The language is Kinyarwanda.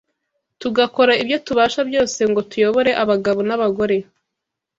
tugakora ibyo tubasha byose ngo tuyobore abagabo n’abagore